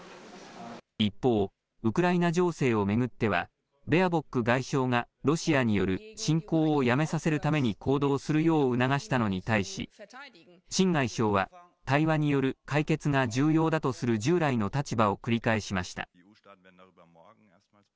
一方、ウクライナ情勢を巡ってはベアボック外相がロシアによる侵攻をやめさせるために行動するよう促したのに対し秦外相は対話による解決が重要だとする従来の立場を繰り返しました。